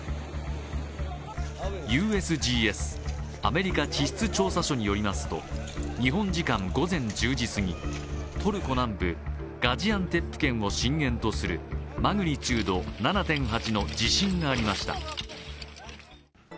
ＵＳＧＳ＝アメリカ地質調査所によりますと日本時間午前１０時すぎ、トルコ南部ガジアンテップ県を震源とするマグニチュード７．８の地震がありました。